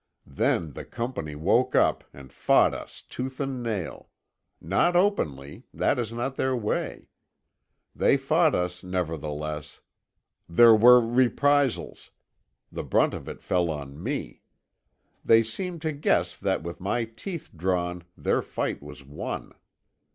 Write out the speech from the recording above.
Then the Company woke up and fought us tooth and nail. Not openly; that is not their way. They fought us, nevertheless. There were reprisals. The brunt of it fell on me. They seemed to guess that with my teeth drawn their fight was won.